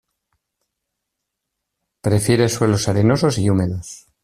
Prefiere suelos arenosos y húmedos.